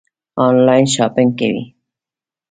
آنلاین شاپنګ کوئ؟